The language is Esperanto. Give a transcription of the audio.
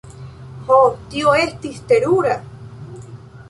Ho, tio estis terura!